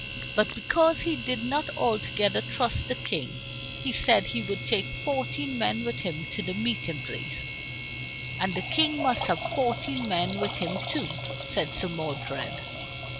But because he did not altogether trust the King he said he would take fourteen men with him to the meeting place, "and the King must have fourteen men with him too," said Sir Modred.